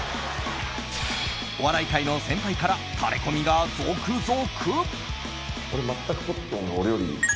お笑い界の先輩からタレコミが続々！